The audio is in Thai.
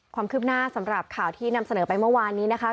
ความคืบหน้าสำหรับข่าวที่นำเสนอไปเมื่อวานนี้นะคะ